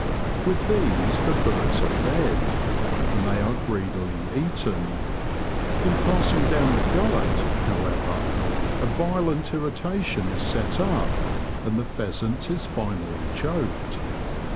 With these the birds are fed, and they are greedily eaten. In passing down the gullet, however, a violent irritation is set up, and the pheasant is finally choked.